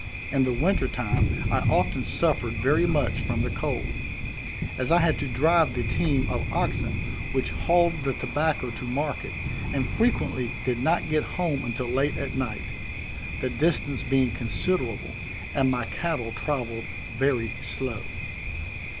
In the winter time I often suffered very much from the cold; as I had to drive the team of oxen which hauled the tobacco to market, and frequently did not get home until late at night, the distance being considerable, and my cattle traveled very slow.